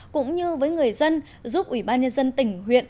cũng như với người dân giúp ủy ban nhân dân tỉnh huyện